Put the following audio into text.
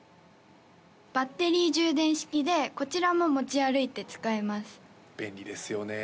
バッテリー充電式でこちらも持ち歩いて使えます便利ですよね